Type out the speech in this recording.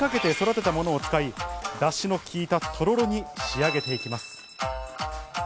地元・茨城で３年かけて育てたものを使いだしのきいたとろろに仕上げていきます。